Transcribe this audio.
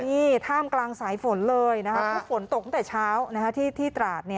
นี่ท่ามกลางสายฝนเลยนะครับเพราะฝนตกตั้งแต่เช้าที่ตราด